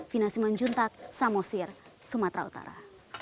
vina simanjuntak samosir sumatera utara